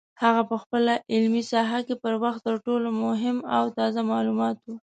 هغه په خپله علمي ساحه کې پر وخت تر ټولو مهمو او تازه معلوماتو